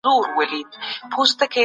چي هر ځای پشو پیدا کړی ښکاروی یې